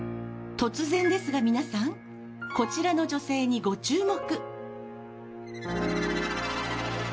突然ですが皆さんこちらの女性にご注目。